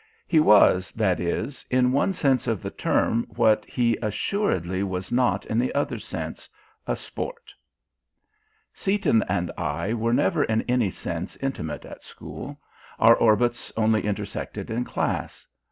He was, that is, in one sense of the term what he assuredly was not in the other sense, a sport. Seaton and I were never in any sense intimate at school, our orbits only intersected in class.